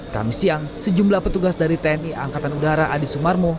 kami siang sejumlah petugas dari tni angkatan udara adi sumarmo